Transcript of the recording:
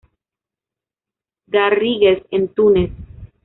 Garrigues en Túnez.